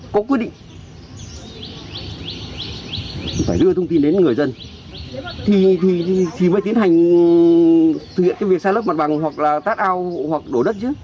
có quyết định phải đưa thông tin đến người dân thì chỉ mới tiến hành thực hiện cái việc sa lấp mặt bằng hoặc là tác ao hoặc đổ đất chứ